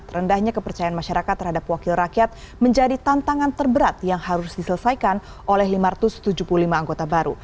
rendahnya kepercayaan masyarakat terhadap wakil rakyat menjadi tantangan terberat yang harus diselesaikan oleh lima ratus tujuh puluh lima anggota baru